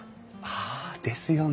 はあですよね。